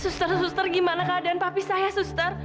suster suster gimana keadaan papi saya suster